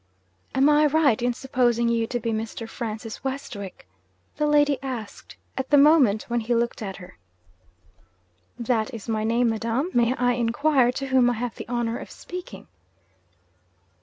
'Am I right in supposing you to be Mr. Francis Westwick?' the lady asked, at the moment when he looked at her. 'That is my name, madam. May I inquire to whom I have the honour of speaking?'